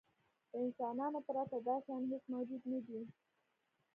له انسانانو پرته دا شیان هېڅ موجود نهدي.